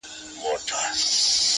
ما دي ویلي کله قبر نایاب راکه _